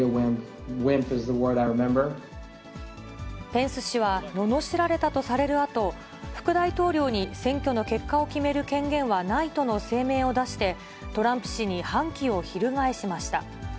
ペンス氏は、ののしられたとされるあと、副大統領に選挙の結果を決める権限はないとの声明を出して、トランプ氏に反旗を翻しました。